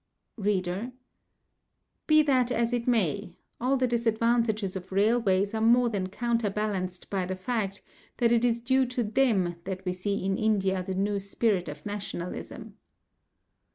READER: Be that as it may, all the disadvantages of railways are more than counter balanced by the fact that it is due to them that we see in India the new spirit of nationalism.